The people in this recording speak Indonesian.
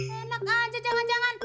enak aja jangan jangan